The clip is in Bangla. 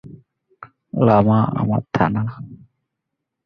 এর ভেতরে রয়েছে হিন্দুধর্ম, বৌদ্ধধর্ম, জৈনধর্ম ও শিখধর্ম।